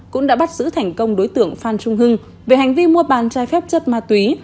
cũng đã bắt giữ thành công đối tượng phan trung hưng về hành vi mua bán trái phép chất ma túy